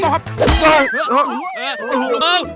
เฮ่ยต้องครับเฮ่ย